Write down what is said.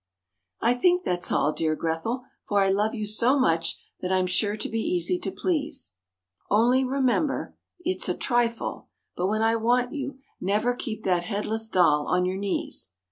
I think that's all, dear Grethel, for I love you so much that I'm sure to be easy to please. Only remember it's a trifle but when I want you, never keep that headless doll on your knees.